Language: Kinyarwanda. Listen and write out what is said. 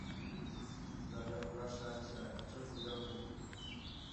Nzajya kubashakira icyo kurya vuba.